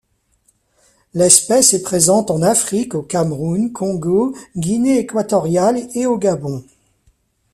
L'espèce est présente en Afrique, au Cameroun, Congo, Guinée équatoriale et au Gabon.